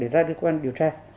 để ra đối quan điều tra